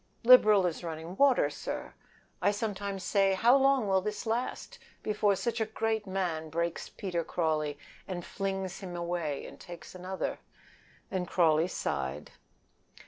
"Liberal as running water, sir. I sometimes say how long will this last before such a great man breaks Peter Crawley and flings him away and takes another?" and Crawley sighed.